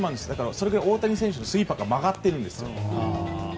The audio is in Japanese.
それくらい大谷選手のスイーパーが曲がってるんです。